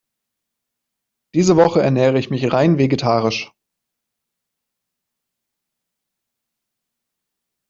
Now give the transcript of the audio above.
Diese Woche ernähre ich mich rein vegetarisch.